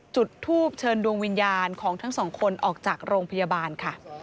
จุดทูบเชิญดวงวิญญาณของทั้งสองคนออกจากโรงพยาบาลค่ะ